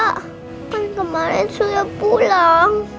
kan kemarin sudah pulang